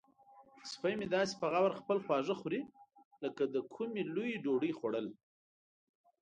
سپی مې داسې په غور خپل خواړه خوري لکه د کومې لویې ډوډۍ خوړل.